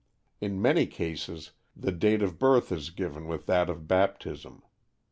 In many cases the date of birth is given with that of baptism.